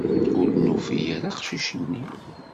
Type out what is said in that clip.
Ur d-nufi ara aqcic-nni.